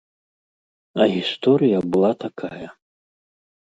А гісторыя была такая.